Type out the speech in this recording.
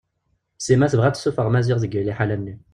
Sima tebɣa ad tessuffeɣ Maziɣ deg yir liḥala-nni.